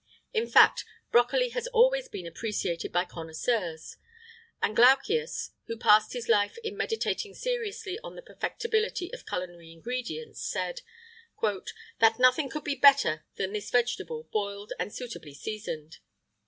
In fact, brocoli has always been appreciated by connoisseurs; and Glaucias, who passed his life in meditating seriously on the perfectibility of culinary ingredients, said: "That nothing could be better than this vegetable, boiled and suitably seasoned."